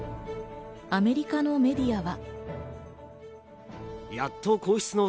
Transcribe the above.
アメリカのメディアは。